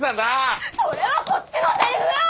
それはこっちのセリフよ！